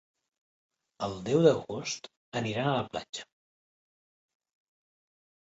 El deu d'agost aniran a la platja.